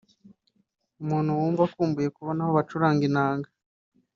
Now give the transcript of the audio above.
"Umuntu wumva akumbuye kubona aho bacuranga inanga